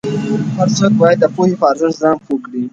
هر څوک باید د پوهې په ارزښت ځان پوه کړي.